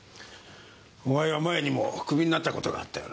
お前は前にもクビになった事があったよな。